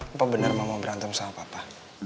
apa benar mama berantem sama papa